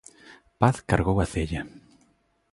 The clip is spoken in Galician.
Paz cargou a cella.